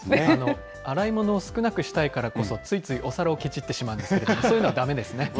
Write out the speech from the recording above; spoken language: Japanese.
洗いものを少なくしたいからこそ、ついついお皿をけちってしまうんですけれども、そういうのはだめですね。